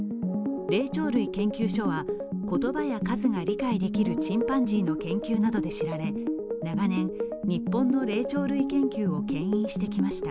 霊長類研究所は言葉や数が理解できるチンパンジーの研究などで知られ長年、日本の霊長類研究をけん引してきました。